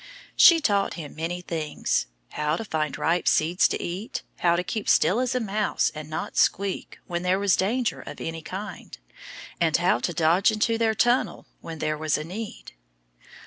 She taught him many things how to find ripe seeds to eat, how to keep still as a mouse and not squeak when there was danger of any kind, and how to dodge into their tunnel when there was need.